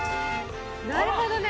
なるほどね。